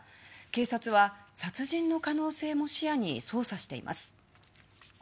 警察は殺人の可能性も視野に捜査しています。